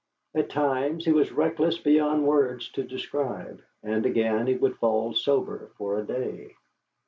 At times he was reckless beyond words to describe, and again he would fall sober for a day.